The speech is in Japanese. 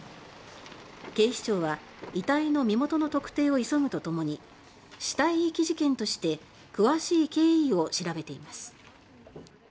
警視庁は遺体の身元の特定を急ぐとともに死体遺棄事件として詳しい経緯を調べています。